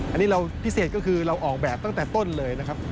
อันนี้เราพิเศษก็คือเราออกแบบตั้งแต่ต้นเลยนะครับ